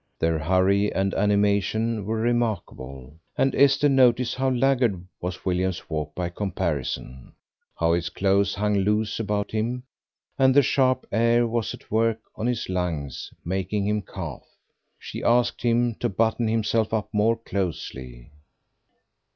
Their hurry and animation were remarkable, and Esther noticed how laggard was William's walk by comparison, how his clothes hung loose about him, and that the sharp air was at work on his lungs, making him cough. She asked him to button himself up more closely.